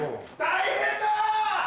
・大変だ！